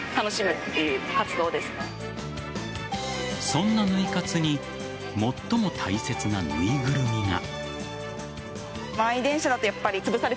そんなぬい活に最も大切な縫いぐるみが。